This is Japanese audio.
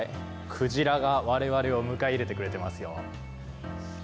クジラが我々を迎え入れてくれていますよ。